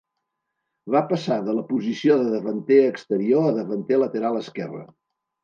Va passar de la posició de davanter exterior a davanter lateral esquerre.